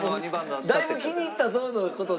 だいぶ気に入ったゾーンの事を。